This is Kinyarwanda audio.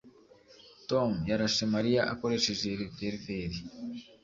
Tom yarashe Mariya akoresheje reververi